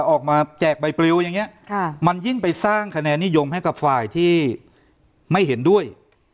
แจกใบปลิวอย่างนี้มันยิ่งไปสร้างคะแนนนิยมให้กับฝ่ายที่ไม่เห็นด้วย